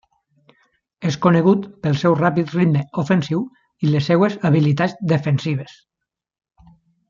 És conegut pel seu ràpid ritme ofensiu i les seves habilitats defensives.